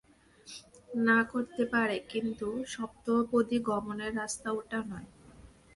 না করতে পারে কিন্তু সপ্তপদী গমনের রাস্তা ওটা নয়।